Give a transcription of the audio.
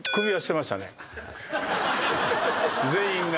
全員が。